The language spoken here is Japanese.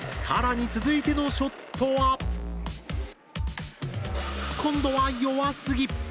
更に続いてのショットは今度は弱すぎ。